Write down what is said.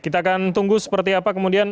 kita akan tunggu seperti apa kemudian